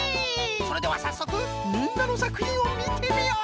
それではさっそくみんなのさくひんをみてみよう！